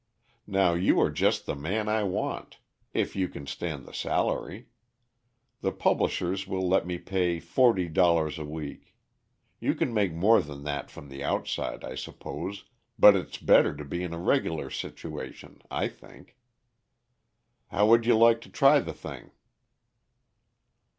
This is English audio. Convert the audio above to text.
Now you are just the man I want, if you can stand the salary. The publishers will let me pay forty dollars a week. You can make more than that from the outside, I suppose, but it's better to be in a regular situation, I think. How would you like to try the thing?"